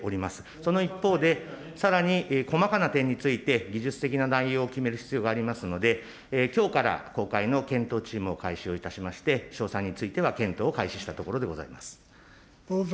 その一方で、さらに、細かな点について、技術的な内容を決める必要がありますので、きょうから公開の検討チームを開始をいたしまして、詳細については検討を開始したところでございます。